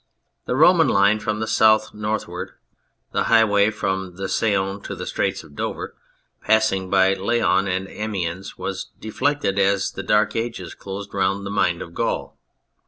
The Roman line from the south northward, the highway from the Saone to the Straits of Dover, passing by Laon and Amiens, was deflected as the Dark Ages closed round the mind of Gaul.